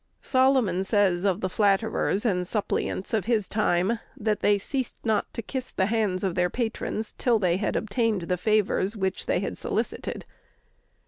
Solomon says of the flatterers and suppliants of his time, that they ceased not to kiss the hands of their patrons till they had obtained the favors which they had solicited.